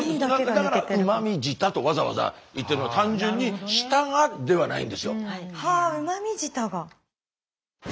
だから「うまみ舌」とわざわざ言ってるのは単純に「舌が」ではないんですよ。はあうまみ舌が。